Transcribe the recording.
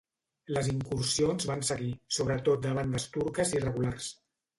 Les incursions van seguir, sobretot de bandes turques irregulars.